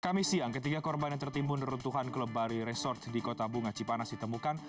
kami siang ketiga korban yang tertimbun neruntuhan kelebari resort di kota bunga cipanas ditemukan